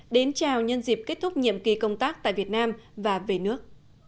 đến chào nhân dịp kết thúc nhiệm kỳ công tác tại việt nam và về nước